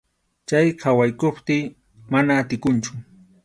Chay qhawaykuptiy mana atikunchu.